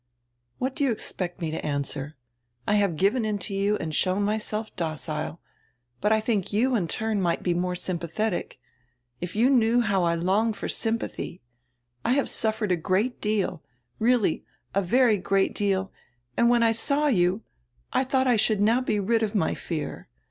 "What do you expect me to answer? I have given in to you and shown myself docile, but I diink you in turn might be more sympathetic. If you knew how I long for sym pathy. I have suffered a great deal, really a very great deal, and when I saw you I diought I should now be rid of my fear.